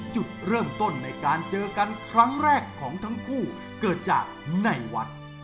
จุดเริ่มต้นในการเจอกันครั้งแรกของทั้งคู่เกิดจากในวัด